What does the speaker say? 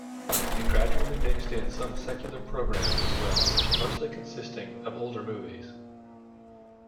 It gradually mixed in some secular programs as well, mostly consisting of older movies.